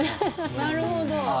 なるほど。